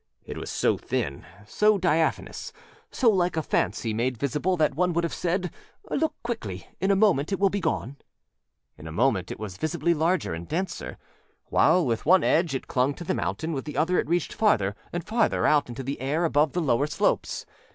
It was so thin, so diaphanous, so like a fancy made visible, that one would have said: âLook quickly! in a moment it will be gone.â In a moment it was visibly larger and denser. While with one edge it clung to the mountain, with the other it reached farther and farther out into the air above the lower slopes.